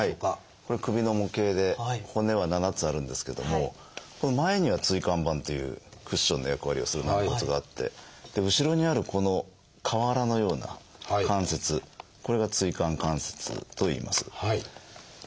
これ首の模型で骨は７つあるんですけどもこの前には「椎間板」というクッションの役割をする軟骨があって後ろにあるこの瓦のような関節これが「椎間関節」といいます。